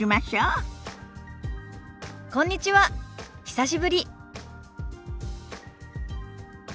久しぶり。